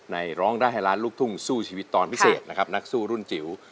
ร้องได้ให้ล้านลูกทุ่งสู้ชีวิตตอนพิเศษนะครับนักสู้รุ่นจิ๋ว